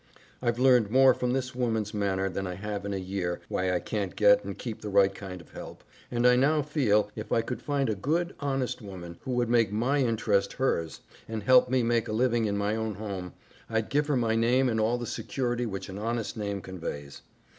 I've learned more from this woman's manner than I have in a year why I can't get and keep the right kind of help, and I now feel if I could find a good, honest woman who would make my interest hers, and help me make a living in my own home, I'd give her my name and all the security which an honest name conveys.